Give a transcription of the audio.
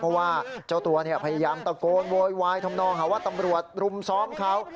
เพราะว่าเจ้าตัวพยายามตะโกนโวยวายทำนองหาว่าตำรวจรุมซ้อมเขา